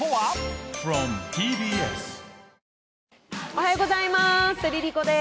おはようございます。